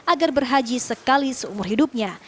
agar berhaji sekali seumur hidupnya